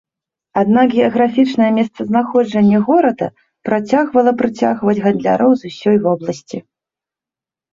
Аднак геаграфічнае месцазнаходжанне горада працягвала прыцягваць гандляроў з усёй вобласці.